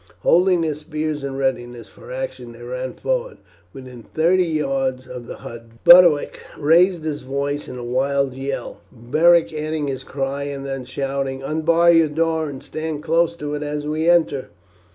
Holding their spears in readiness for action they ran forward. When within thirty yards of the hut Boduoc raised his voice in a wild yell, Beric adding his cry and then shouting, "Unbar your door and stand to close it as we enter."